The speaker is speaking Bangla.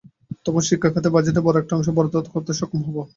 তখন শিক্ষা খাতে বাজেটের বড় একটা অংশ বরাদ্দ করতে সক্ষম হব।